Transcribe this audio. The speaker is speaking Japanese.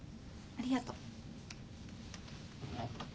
ありがとう。